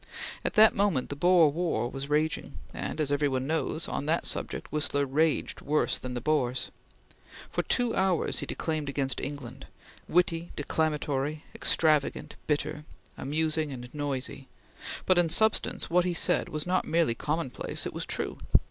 At that moment the Boer War was raging, and, as every one knows, on that subject Whistler raged worse than the Boers. For two hours he declaimed against England witty, declamatory, extravagant, bitter, amusing, and noisy; but in substance what he said was not merely commonplace it was true!